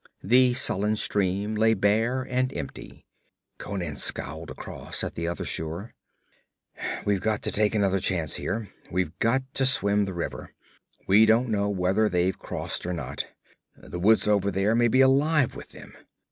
The sullen stream lay bare and empty. Conan scowled across at the other shore. 'We've got to take another chance here. We've got to swim the river. We don't know whether they've crossed or not. The woods over there may be alive with them.